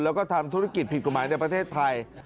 แล้วก็ทำธุรกิจผิดกฎหมายในประเทศไทย